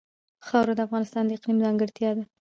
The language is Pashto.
خاوره د افغانستان د اقلیم ځانګړتیا ده.